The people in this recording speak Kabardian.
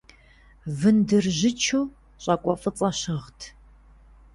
Вындыржьычу щӏакӏуэ фӏыцӏэ щыгът.